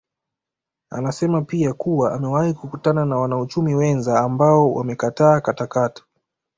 Anasema pia kuwa amewahi kukutana na wanauchumi wenza ambao wamekataa katakata